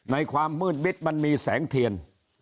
ความมืดมิดมันมีแสงเทียน